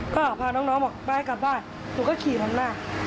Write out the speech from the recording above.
ก็พาน้องน้องบอกไปกลับบ้านหนูก็ขี่ฝั่งหน้า